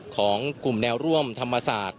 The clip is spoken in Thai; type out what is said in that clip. ของกลุ่มแนวร่วมธรรมศาสตร์